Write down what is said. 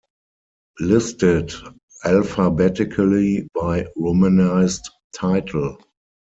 Listed alphabetically by romanized title.